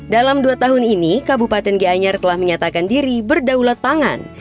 dalam dua tahun ini kabupaten gianyar telah menyatakan diri berdaulat pangan